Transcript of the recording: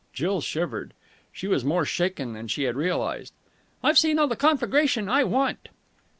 Jill shivered. She was more shaken than she had realized. "I've seen all the conflagration I want."